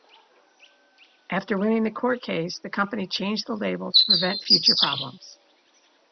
After winning the court case, the company changed the label to prevent future problems.